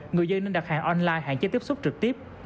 người dân nên đặt hàng online hạn chế tiếp xúc trực tiếp